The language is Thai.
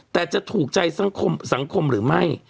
แต่จะถูกใจสังคมหรือไม่